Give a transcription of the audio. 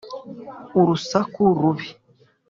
urusaku rubi